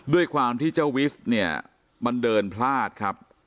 ด้วยความที่เจ้าวิสเนี่ยมันเดินพลาดครับ